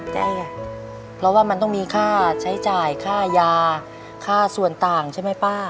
แต่เพราะว่ามันต้องมีค่าใช้จ่ายค่ายาค่าส่วนต่างใช่ไหมป้า